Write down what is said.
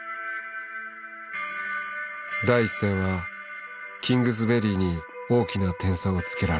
第１戦はキングズベリーに大きな点差をつけられ２位。